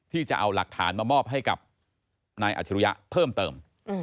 จะเอาหลักฐานมามอบให้กับนายอัจฉริยะเพิ่มเติม